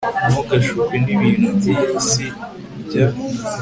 ntugashukwe n'ibintu by'iyi si, jya